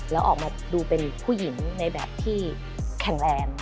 แล้วออกมาดูเป็นผู้หญิงในแบบที่แข็งแรง